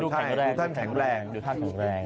ดูแข็งแกรงดูสนแข็งแบรนด์